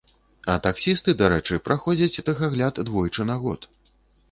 А таксісты, дарэчы, праходзяць тэхагляд двойчы на год.